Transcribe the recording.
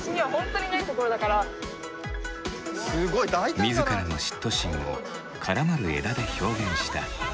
自らの嫉妬心を絡まる枝で表現した。